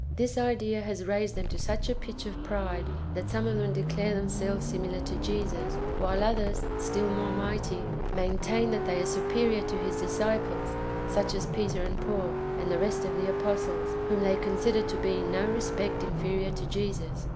This idea has raised them to such a pitch of pride, that some of them declare themselves similar to Jesus ; while others, still more mighty, maintain that they are superior to his disciples, such as Peter and Paul, and the rest of the apostles, whom they consider to be in no respect inferior to Jesus.